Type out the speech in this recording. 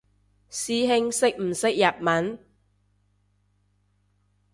師兄識唔識日文？